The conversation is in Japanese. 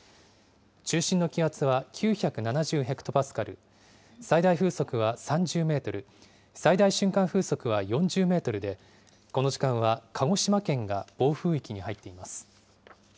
中心の気圧は９７０ヘクトパスカル、最大風速は３０メートル、最大瞬間風速は４０メートルで、この時間は鹿児島県が暴風域に入っています。